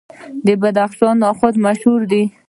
د بدخشان نخود مشهور دي.